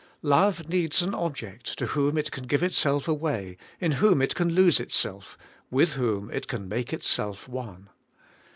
Love needs an object to whom it can give itself away, in whom it can lose itself, with whom it can make itself one.